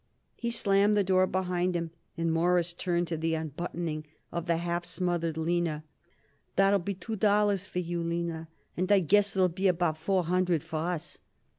He slammed the door behind him and Morris turned to the unbuttoning of the half smothered Lina. "That'll be two dollars for you, Lina," he said, "and I guess it'll be about four hundred for us."